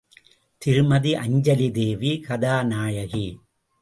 திருமதி அஞ்சலிதேவி கதாநாயகி.